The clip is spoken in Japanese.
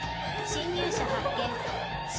侵入者発見。